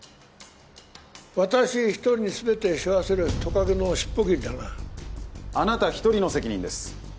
私一人に全てしょわせるトカゲのシッポ切りだなあなた一人の責任です